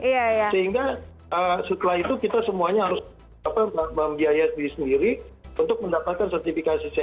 sehingga setelah itu kita semuanya harus membiayai diri sendiri untuk mendapatkan sertifikasi sehat